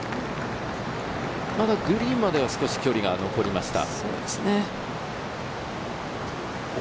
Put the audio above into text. グリーンまでは少し距離が残りました。